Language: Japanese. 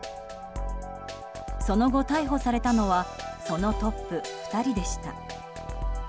その後、逮捕されたのはそのトップ２人でした。